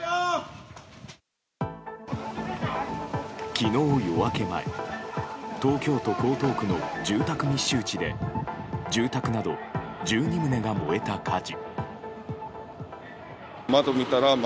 昨日夜明け前東京都江東区の住宅密集地で住宅など１２棟が燃えた火事。